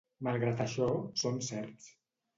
Malgrat això són certs.